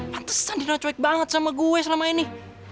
pantesan dina cuek banget sama gue selama ini